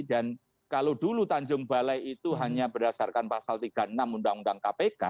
dan kalau dulu tanjung balai itu hanya berdasarkan pasal tiga puluh enam undang undang kpk